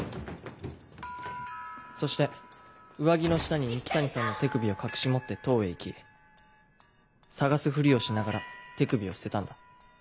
そして上着の下に三鬼谷さんの手首を隠し持って塔へ行き捜すふりをしながら手首を捨てたんだ。